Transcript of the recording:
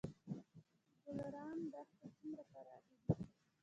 ګلران دښتې څومره پراخې دي؟